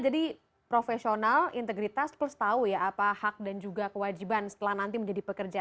jadi profesional integritas harus tahu ya apa hak dan juga kewajiban setelah nanti menjadi pekerja